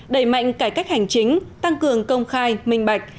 đẩy mạnh cải cách hành chính tăng cường công khai minh bạch